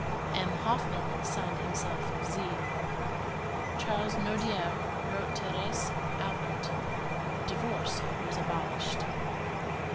M. Hoffmann signed himself Z. Charles Nodier wrote Thérèse Aubert. Divorce was abolished.